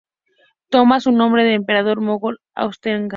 Toma su nombre del emperador mogol Aurangzeb.